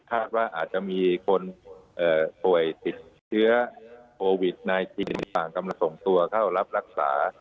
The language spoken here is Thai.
ว่าอาจจะมีคนป่วยติดเชื้อโควิด๑๙ต่างกำลังส่งตัวเข้ารับรักษา